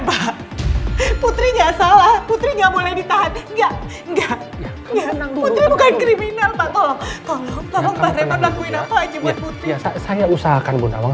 mbak putrinya salah putrinya boleh ditahan enggak enggak enggak enggak